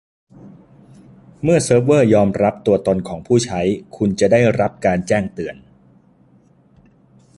เมื่อเซิร์ฟเวอร์ยอมรับตัวตนของผู้ใช้คุณจะได้รับการแจ้งเตือน